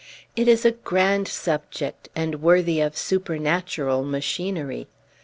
It is a grand subject, and worthy of supernatural machinery.